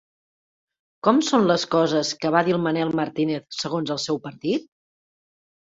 Com són les coses que va dir Manel Martínez segons el seu partit?